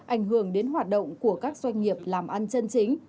ảnh hưởng đến hoạt động của các doanh nghiệp làm ăn chân chính